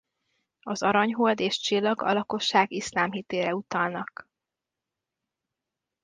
Az arany hold és csillag a lakosság iszlám hitére utalnak.